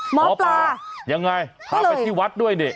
หมอปลายังไงพาไปที่วัดด้วยนี่